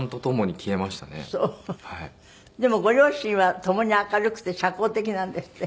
でもご両親はともに明るくて社交的なんですって？